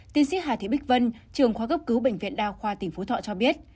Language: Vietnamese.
tiến sĩ hà thị bích vân trường khoa gấp cứu bệnh viện đa khoa tỉnh phú thọ cho biết